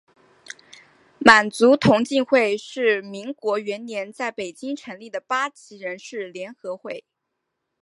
满族同进会是民国元年在北京成立的八旗人士联合会。